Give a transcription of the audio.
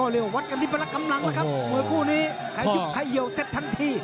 ทั่วภูมิเมื่อกลุ่มนี้ใครยุกขาเยียวเสร็จทันที่